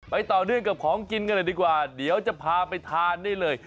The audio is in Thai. ต่อเนื่องกับของกินกันหน่อยดีกว่าเดี๋ยวจะพาไปทานได้เลย